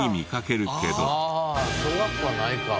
ああ小学校はないか。